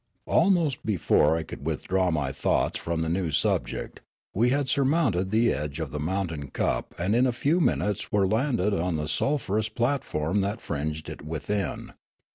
Almost before I could withdraw my thoughts from the new subject, we had surmounted the edge of the mountain cup and in a few minutes were landed on the sulphurous platform that fringed it within.